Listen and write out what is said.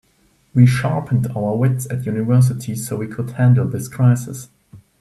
We sharpened our wits at university so we could handle this crisis.